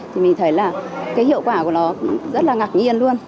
thì mình thấy là cái hiệu quả của nó rất là ngạc nhiên luôn